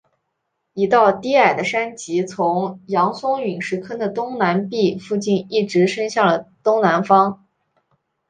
一道低矮的山脊从扬松陨石坑的东南壁附近一直伸向了东南方。